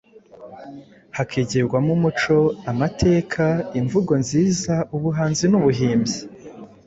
Hakigirwamo umuco, amateka, imvugo nziza, ubuhanzi n'ubuhimbyi